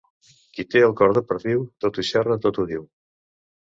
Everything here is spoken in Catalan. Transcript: Qui té el cor de perdiu, tot ho xerra, tot ho diu.